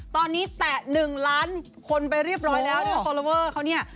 ตอนนี้แตะ๑ล้านคนไปเรียบร้อยแล้วนะฟอลลอเวอร์เขาเนี่ย